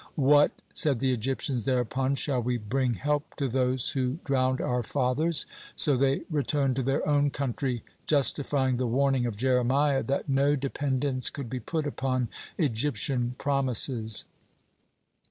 "What," said the Egyptians thereupon, "shall we bring help to those who drowned our fathers?" So they returned to their own country, justifying the warning of Jeremiah, that no dependence could be put upon Egyptian promises.